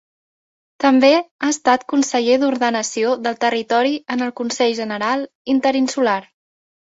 També ha estat Conseller d'Ordenació del Territori en el Consell General Interinsular.